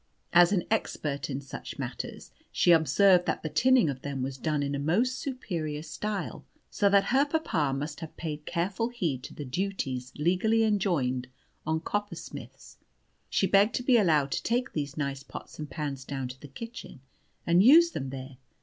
As an expert in such matters, she observed that the tinning of them was done in a most superior style, so that her papa must have paid careful heed to the duties legally enjoined on coppersmiths. She begged to be allowed to take these nice pots and pans down to the kitchen, and use them there.